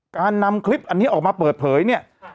การนำคลิปอันนี้ออกมาเปิดเผยเนี่ย